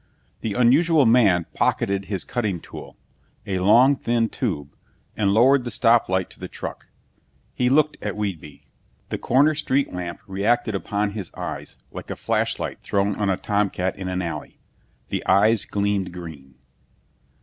The unusual man pocketed his cutting tool a long thin tube and lowered the stop light to the truck. He looked at Whedbee. The corner street lamp reacted upon his eyes like a flashlight thrown on a tomcat in an alley. The eyes gleamed green.